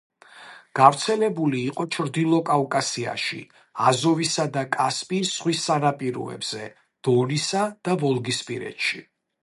გავრცელებული იყო ჩრდილოკავკასიაში, აზოვისა და კასპიის ზღვის სანაპიროებზე, დონისა და ვოლგისპირეთში.